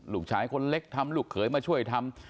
ลูกชายคนเล็กทำลูกเขยมาช่วยทำ